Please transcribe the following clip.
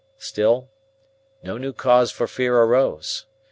Still, no new cause for fear arose.